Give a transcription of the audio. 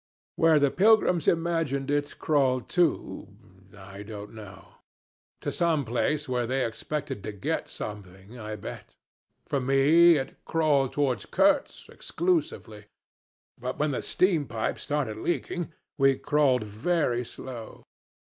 Where the pilgrims imagined it crawled to I don't know. To some place where they expected to get something, I bet! For me it crawled toward Kurtz exclusively; but when the steam pipes started leaking we crawled very slow.